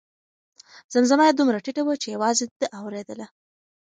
زمزمه یې دومره ټیټه وه چې یوازې ده اورېدله.